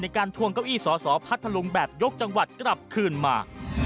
การทวงเก้าอี้สอสอพัทธลุงแบบยกจังหวัดกลับคืนมา